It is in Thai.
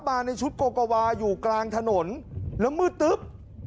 มาในชุดโกโกวาอยู่กลางถนนแล้วมืดตึ๊บ